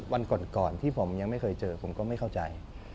วันก่อนที่ผมยังไม่เคยเจอผมก็ไม่เข้าใจ